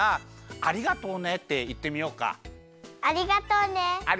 ありがとうね。